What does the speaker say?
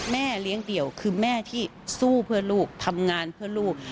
แม่เลี้ยงเดี่ยวคือแม่ที่สู้เพื่อลูกทำงานเพื่อลูก